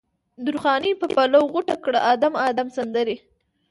درخانۍ په پلو غوټه کړه ادم، ادم سندرې